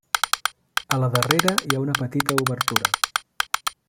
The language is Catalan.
A la darrera hi ha una petita obertura.